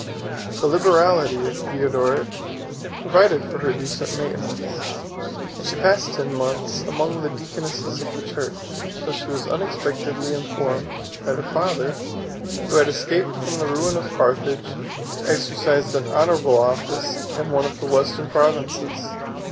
The liberality of Theodoret provided for her decent maintenance; and she passed ten months among the deaconesses of the church; till she was unexpectedly informed, that her father, who had escaped from the ruin of Carthage, exercised an honorable office in one of the Western provinces.